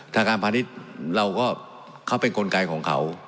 ทางการพาณิชย์เราก็เขาเป็นกลไกของเขา